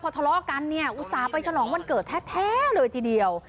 ทะเลาะกันเนี่ยอุตส่าห์ไปฉลองวันเกิดแท้เลยทีเดียว